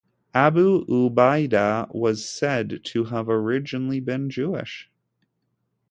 Abu Ubaida was said to have originally been Jewish.